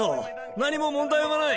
何も問題はない。